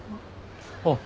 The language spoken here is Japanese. あっ。